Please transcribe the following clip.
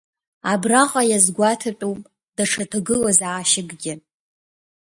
Абраҟа иазгәаҭатәуп даҽа ҭагылазаашьакгьы.